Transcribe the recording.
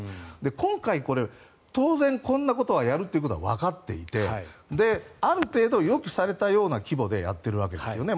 今回これ当然こんなことをやるということはわかっていてある程度予期されたような規模でやっているわけですよね。